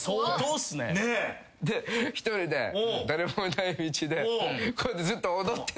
で１人で誰もいない道でこうやってずっと。って